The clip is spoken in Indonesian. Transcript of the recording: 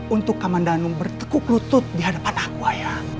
untuk kamandanu bertekuk lutut di hadapan aku ayah